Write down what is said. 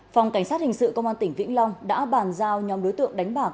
phòng cảnh sát hình sự công an tỉnh vĩnh long đã bàn giao nhóm đối tượng đánh bạc